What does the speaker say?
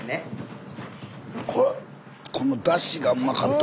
このダシがうまかった！